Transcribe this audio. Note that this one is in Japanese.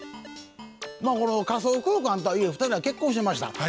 まあこの仮想空間とはいえ２人は結婚してました。